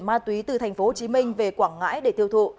vận chuyển ma túy từ thành phố hồ chí minh về quảng ngãi để thiêu thụ